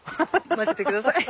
待ってて下さい。